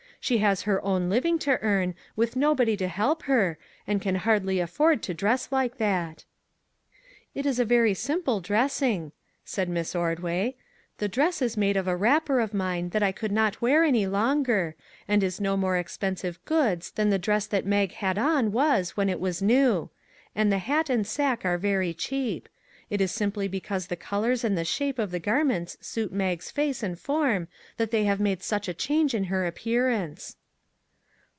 She has her own living to earn, with nobody to help her, and can hardly afford to dress like that." " It is very simple dressing," said Miss Ordway; "the dress is made of a wrapper of mine that I could not wear any longer, and is no more expensive goods than the dress that Mag had on was when it was new ; and the hat and sack are very cheap. It is simply because the colors and the shape of the garments suit 160 SURPRISES Mag's face and form that they have made such a change in her appearance."